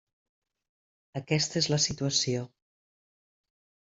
Aquesta és la situació.